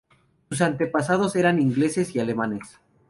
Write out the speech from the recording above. Sus antepasados eran ingleses y alemanes.